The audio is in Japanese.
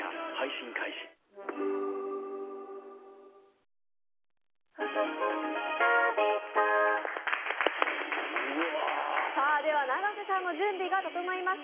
三井不動産永瀬さんの準備が整いました。